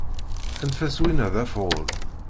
Anef-as win-a d afɣul